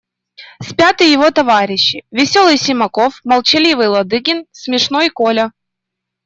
Спят и его товарищи: веселый Симаков, молчаливый Ладыгин, смешной Коля.